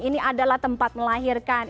ini adalah tempat melahirkan